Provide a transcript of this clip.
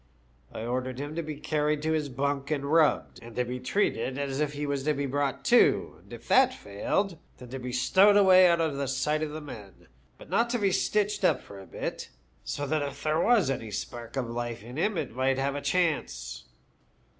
I ordered him to be carried to his bunk and rubbed, and to be treated as if he was to be brought to, and if that failed, then to be stowed away out of the sight of the men ; but not to be stitched up for a bit, so that if there was any spark of life in him it might have a chance.